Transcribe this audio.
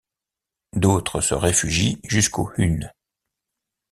D’autres se réfugient jusqu’aux hunes.